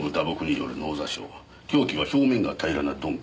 凶器は表面が平らな鈍器。